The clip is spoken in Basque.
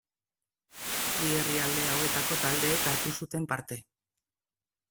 Bi herrialde hauetako taldeek hartu zuten parte.